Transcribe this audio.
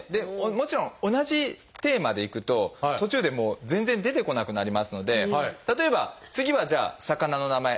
もちろん同じテーマでいくと途中でもう全然出てこなくなりますので例えば次はじゃあ魚の名前